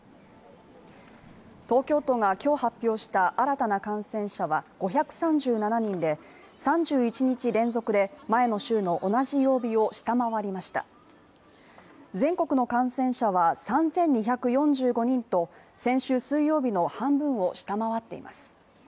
東京都がきょう発表した新たな感染者は５３７人で３１日連続で前の週の同じ曜日を下回りました全国の感染者は３２４５人と先週水曜日の半分を下回っています